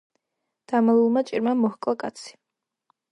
დამალულმა ჭირმა მოჰკლა კაცი